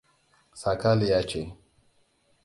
Sakaliya ce.